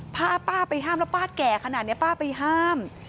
ป้าป้าไปห้ามแล้วป้าแก่ขนาดนี้ป้าไปห้าม